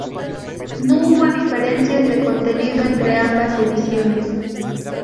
No hubo diferencias de contenido entre ambas ediciones.